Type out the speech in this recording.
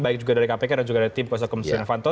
baik dari kpk dan tim ku sinovanto